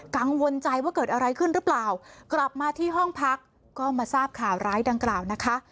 กังวลใจว่าเกิดอะไรขึ้นหรือเปล่ากลับมาที่ห้องพักก็มาทราบข่าวร้ายดังกล่าวนะคะ